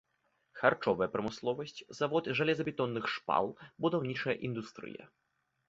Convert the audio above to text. Харчовая прамысловасць, завод жалезабетонных шпал, будаўнічая індустрыя.